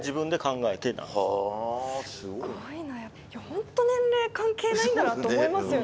本当年齢関係ないんだなって思いますよね。